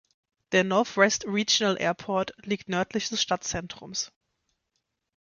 Der Northwest Regional Airport liegt nördlich des Stadtzentrums.